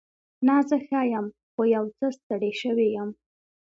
نه، زه ښه یم. خو یو څه ستړې شوې یم.